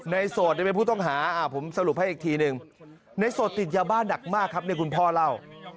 โสดเป็นผู้ต้องหาผมสรุปให้อีกทีหนึ่งในโสดติดยาบ้านหนักมากครับเนี่ยคุณพ่อเล่า